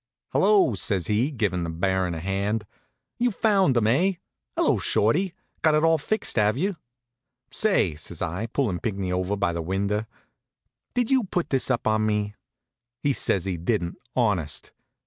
"Hello!" says he, givin' the Baron a hand. "You found him, eh? Hello, Shorty. Got it all fixed, have you?" "Say," says I, pullin' Pinckney over by the window, "did you put this up on me?" He said he didn't, honest.